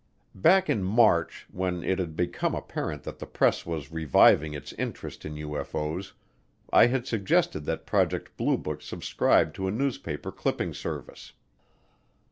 Back in March, when it had become apparent that the press was reviving its interest in UFO's, I had suggested that Project Blue Book subscribe to a newspaper clipping service.